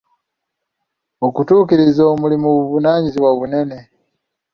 Okutuukiriza omulimu buvunaanyizibwa bunene.